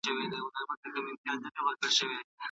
هغه پرون د خپلو ورځنیو چارو له پاره ښه لیست جوړ کړ.